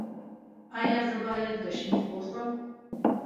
ایا زه باید ګشنیز وخورم؟